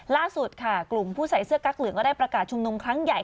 ล่าสุดค่ะกลุ่มผู้ใส่เสื้อกั๊กเหลืองก็ได้ประกาศชุมนุมครั้งใหญ่